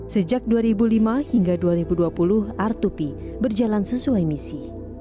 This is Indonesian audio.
sejak dua ribu lima hingga dua ribu dua puluh r dua p berjalan sesuai misi